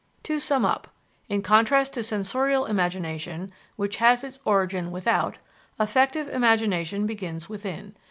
To sum up: In contrast to sensorial imagination, which has its origin without, affective imagination begins within.